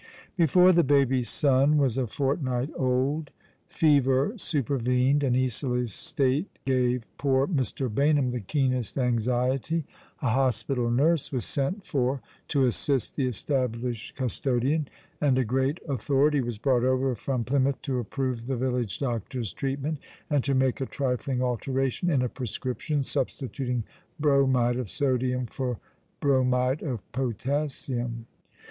Before the baby son was a fortnight old, fever supervened, and Isola's state gave poor Mr. Baynham the keenest anxiety. A hospital nurse was sent for to assist the established cus todian ; and a great authority was brought over from Plymouth to approve the village doctor's treatment, and to make a trifling alteration in a prescription, substituting bromide of sodium for bromide of potassium.